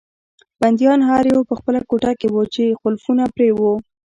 بندیان هر یو په خپله کوټه کې وو چې قلفونه پرې وو.